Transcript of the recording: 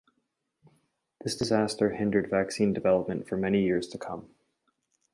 This disaster hindered vaccine development for many years to come.